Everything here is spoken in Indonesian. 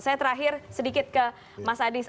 saya terakhir sedikit ke mas adis